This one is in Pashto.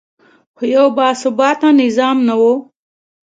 خو یو باثباته نظام نه و